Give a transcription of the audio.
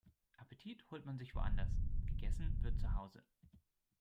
Appetit holt man sich woanders, gegessen wird zuhause.